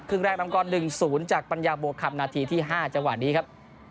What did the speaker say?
ครึ่งแรกน้ำกอล๑๐จากปัญญาบวกคลับนาทีที่๕จังหวัดนี้ครับ